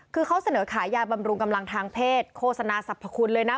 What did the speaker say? คือเขาเสนอขายยาบำรุงกำลังทางเพศโฆษณาสรรพคุณเลยนะ